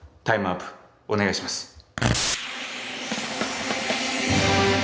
タイムワープお願いします。